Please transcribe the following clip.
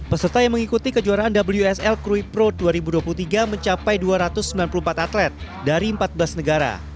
peserta yang mengikuti kejuaraan wsl krui pro dua ribu dua puluh tiga mencapai dua ratus sembilan puluh empat atlet dari empat belas negara